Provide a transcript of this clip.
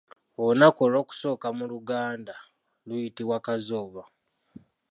Olunaku olw'okusooka mu luganda luyitibwa Kazooba.